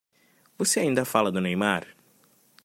Você ainda fala do Neymar?